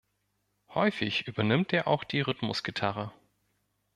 Häufig übernimmt er auch die Rhythmusgitarre.